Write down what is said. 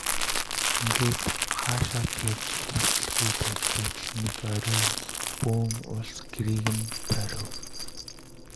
Ингээд хаашаа ч явж завдалгүй байж байтал нэг орой бөөн улс гэрийг нь тойров.